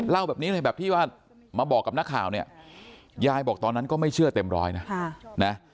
เล่าแบบนี้เลยแบบที่ว่ามาบอกกับนักข่าวเนี่ยยายบอกตอนนั้นก็ไม่เชื่อเต็มร้อยนะ